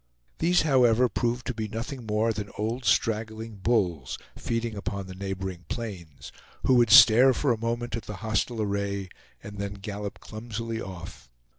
These however proved to be nothing more than old straggling bulls, feeding upon the neighboring plains, who would stare for a moment at the hostile array and then gallop clumsily off.